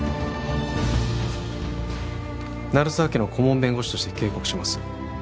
鳴沢家の顧問弁護士として警告します